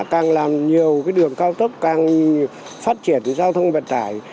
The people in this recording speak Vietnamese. càng làm nhiều đường cao tốc càng phát triển giao thông vận tải